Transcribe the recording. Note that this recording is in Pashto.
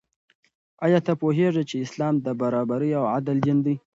آیا ته پوهېږې چې اسلام د برابرۍ او عدل دین دی؟